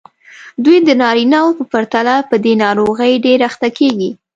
دوی د نارینه وو په پرتله په دې ناروغۍ ډېرې اخته کېږي.